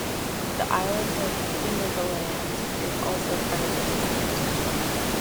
The island of Heligoland is also part of the district.